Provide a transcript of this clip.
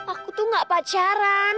aku tuh gak pacaran